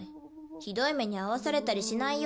ひどい目に遭わされたりしないよ。